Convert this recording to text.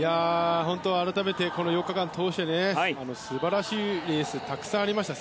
本当に改めて、この８日間通して素晴らしいレースたくさんありました。